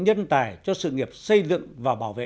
nhân tài cho sự nghiệp xây dựng và bảo vệ